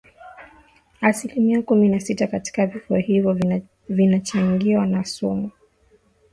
Asilimia kumi na sita katika vifo hivyo vinachangiwa na sumu